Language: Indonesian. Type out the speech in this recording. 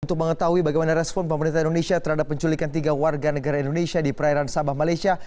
untuk mengetahui bagaimana respon pemerintah indonesia terhadap penculikan tiga warga negara indonesia di perairan sabah malaysia